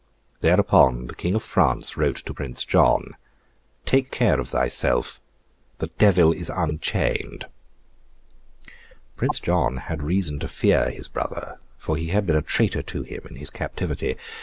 Thereupon, the King of France wrote to Prince John—'Take care of thyself. The devil is unchained!' Prince John had reason to fear his brother, for he had been a traitor to him in his captivity.